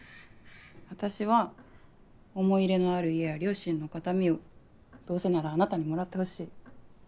私は思い入れのある家や両親の形見をどうせならあなたに貰ってほしい。